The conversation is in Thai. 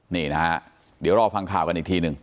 นี่นะฮะเดี๋ยวรอฟังข่าวกันอีกทีหนึ่ง